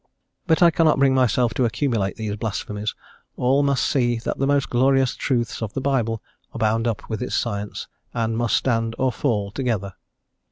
But I cannot bring myself to accumulate these blasphemies; all must see that the most glorious truths of the Bible are bound up with its science, and must stand or fall together.